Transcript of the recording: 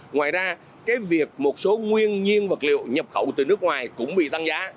ngoài ra việc một số nguyên nhiên vật liệu nhập khẩu từ nước ngoài cũng bị tăng giá